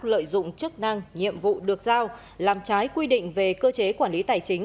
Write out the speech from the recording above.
lợi dụng chức năng nhiệm vụ được giao làm trái quy định về cơ chế quản lý tài chính